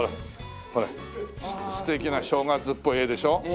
ほら素敵な正月っぽい絵でしょ？